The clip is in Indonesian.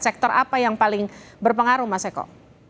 sektor apa yang paling berpengaruh mas eko